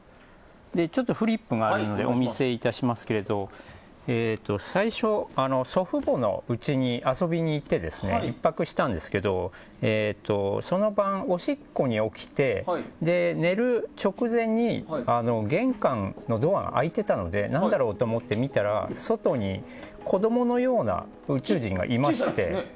ちょっとフリップがあるのでお見せいたしますけど最初、祖父母のうちに遊びに行って１泊したんですけどその晩、おしっこに起きて寝る直前に玄関のドアが開いていたので何だろう思って見たら外に子供のような宇宙人がいまして。